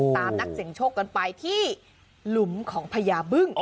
นักเสียงโชคกันไปที่หลุมของพญาบึ้ง